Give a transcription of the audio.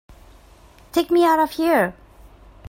Take me out of here!